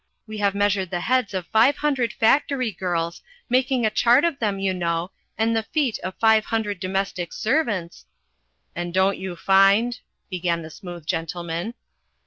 We have measured the heads of five hundred factory girls, making a chart of them, you know, and the feet of five hundred domestic servants " "And don't you find " began the Smooth Gentleman.